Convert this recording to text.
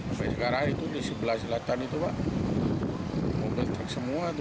sampai sekarang itu di sebelah selatan itu pak mobil truk semua tuh